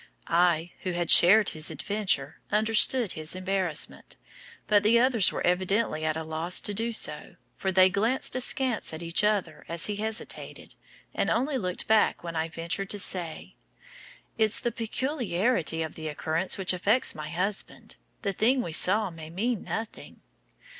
I, who had shared his adventure, understood his embarrassment, but the others were evidently at a loss to do so, for they glanced askance at each other as he hesitated, and only looked back when I ventured to say: "It's the peculiarity of the occurrence which affects my husband. The thing we saw may mean nothing."